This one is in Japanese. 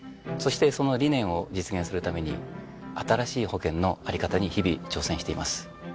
そしてその理念を実現するために新しい保険の在り方に日々挑戦しています。